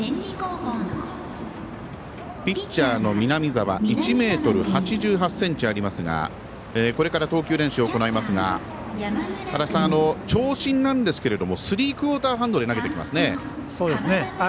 ピッチャーの南澤は１ｍ８８ｃｍありますがこれから投球練習を行いますが足達さん、長身なんですけれどもスリークオーターハンドで投げてきますね。